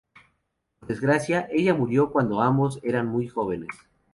Por desgracia, ella murió cuando ambos eran muy jóvenes".